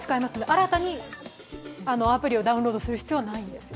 新たにアプリをダウンロードする必要はないんです。